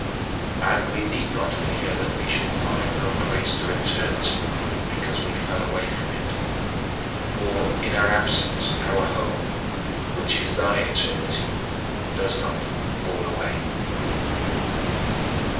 And we need not fear that we shall find no place to return to because we fell away from it. For, in our absence, our home which is thy eternity does not fall away.